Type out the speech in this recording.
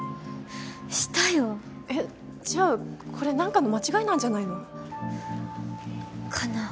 したよえっじゃあこれ何かの間違いなんじゃないの？かな？